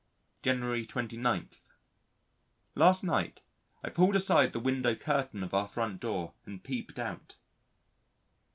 January 29. Last night, I pulled aside the window curtain of our front door and peeped out.